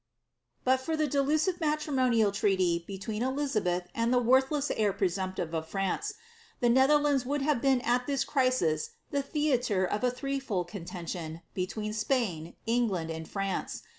* Bnt for the delusive matrimonial treaty between Elizabeth and the worthless heir presumptive of France, the Netherlands would have been it this crisis the theatre of a three fold contention between Spain, Eng hsd, and France.